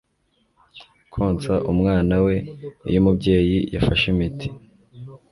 konsa umwana we iyo umubyeyi yafashe imiti